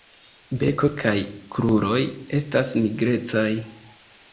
Beko kaj kruroj estas nigrecaj.